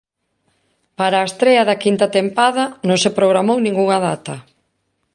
Para a estrea da quinta tempada non se programou ningunha data.